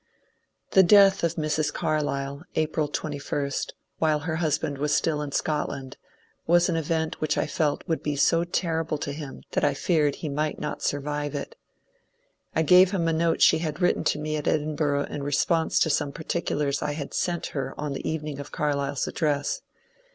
The death of Mrs. Carlyle, April 21, while her husband was still in Scotland, was an event which I felt would be so terri ble to him that I feared he might not survive it. I gave him a note she had written to me at Edinburgh in response to some particulars I had sent her on the evening of Carlyle's address.